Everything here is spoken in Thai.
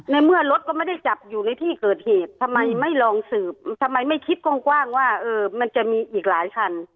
ในเมื่อรถก็ไม่ได้จับอยู่ในที่เกิดเหตุทำไมไม่ลองสืบทำไมไม่คิดกว้างว่ามันจะมีอีกหลายคัน